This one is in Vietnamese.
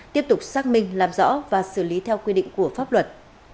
tiếp tục xác minh làm rõ và xử lý theo quy định của pháp luật